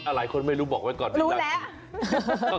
อะไรคนไม่รู้บอกไว้ก่อนได้ไหม